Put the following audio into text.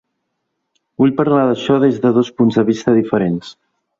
Vull parlar d’això des de dos punts de vista diferents.